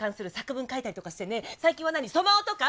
最近はなにソマオとか？